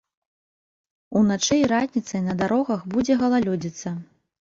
Уначы і раніцай на дарогах будзе галалёдзіца.